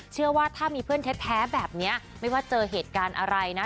เชื่อว่าถ้ามีเพื่อนแท้แบบนี้ไม่ว่าเจอเหตุการณ์อะไรนะ